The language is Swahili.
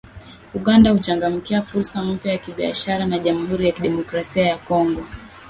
Uganda huchangamkia fursa mpya za kibiashara na Jamhuri ya Kidemokrasia ya Kongo